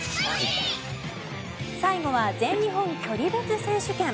最後は全日本距離別選手権。